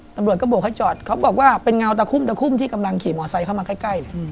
ตำรวจก็บวกให้จอดเขาบอกว่าเป็นเงาตะคุ่มตะคุ่มที่กำลังขี่มอไซค์เข้ามาใกล้เลย